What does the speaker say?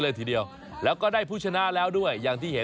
ยกซดน้ำสัปปะรดอย่างงี้เลยเหรอ